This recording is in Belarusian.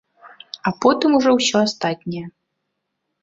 А потым ужо ўсё астатняе.